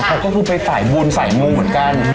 เขาก็คือไปสายบุญสายมูเหมือนกัน